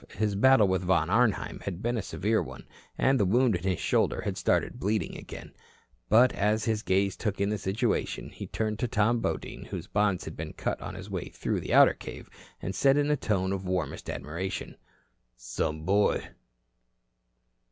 His battle with Von Arnheim had been a severe one, and the wound in his shoulder had started bleeding again. But as his gaze took in the situation, he turned to Tom Bodine, whose bonds he had cut on his way through the outer cave, and said in a tone of warmest admiration: "Some boy."